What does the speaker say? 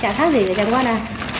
chẳng khác gì gì chẳng qua nào